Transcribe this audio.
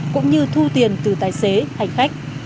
cũng như thu tiền từ tài xế hành khách